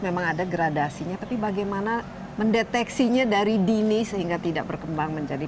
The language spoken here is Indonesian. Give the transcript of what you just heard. memang ada gradasinya tapi bagaimana mendeteksinya dari dini sehingga tidak berkembang menjadi